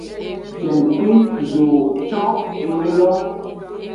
Jengkuime ʼzowo con ewe lo.